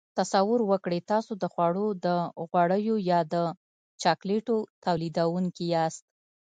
تصور وکړئ تاسو د خوړو د غوړیو یا د چاکلیټو تولیدوونکي یاست.